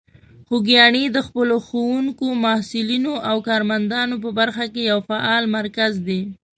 خوږیاڼي د خپلو ښوونکو، محصلینو او کارمندان په برخه کې یو فعال مرکز دی.